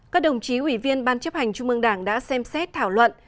các đồng chí ủy viên ban chấp hành trung mương đảng đã xem xét thảo luận